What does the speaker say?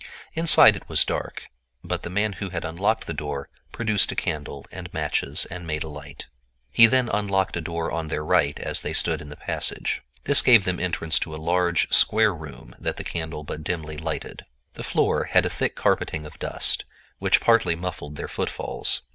Inside it was dark, but the man who had unlocked the door produced a candle and matches and made a light. He then unlocked a door on their right as they stood in the passage. This gave them entrance to a large, square room that the candle but dimly lighted. The floor had a thick carpeting of dust, which partly muffled their footfalls.